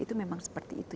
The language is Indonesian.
itu memang seperti itu